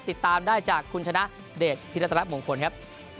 ติดตามได้จากคุณชนะเดชพิรัตนมงคลครับ